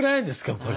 これ。